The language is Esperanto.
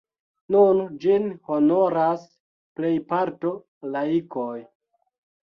Nun ĝin honoras plejparto laikoj.